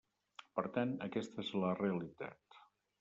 Per tant, aquesta és la realitat.